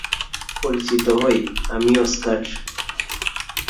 পরিচিত হই, আমি অস্কার।